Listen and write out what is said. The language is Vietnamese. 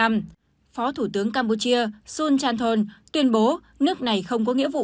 phó thủ tướng campuchia sun chan thon tuyên bố nước này không có nghĩa vụ